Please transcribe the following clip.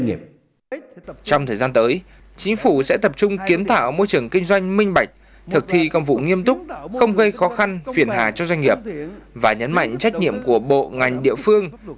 chính phủ sẽ tập trung kiến thảo môi trường kinh doanh minh bạch thực thi công vụ nghiêm túc không gây khó khăn phiền hà cho doanh nghiệp và nhấn mạnh trách nhiệm của bộ ngành địa phương